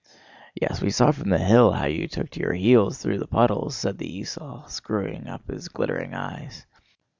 "Yes, we saw from the hill how you took to your heels through the puddles!" said the esaul, screwing up his glittering eyes.